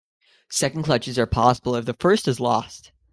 Second clutches are possible if the first is lost.